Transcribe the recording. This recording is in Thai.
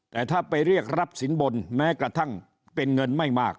แต่ถ้าไปเรียกรับสินบนแม้กระทั่งเป็นเงินไม่มาก